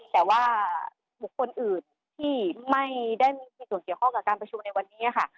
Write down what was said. แต่ว่าบุคคลอื่นที่ไม่ได้มีส่วนเกี่ยวข้องกับการประชุมในวันนี้ค่ะ